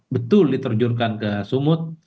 betul diterjunkan ke sumut